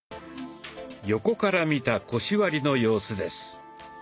横から見た腰割りの様子です。